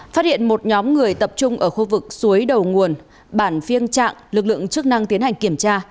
phát hiện một nhóm người tập trung ở khu vực suối đầu nguồn bản phiêng trạng lực lượng chức năng tiến hành kiểm tra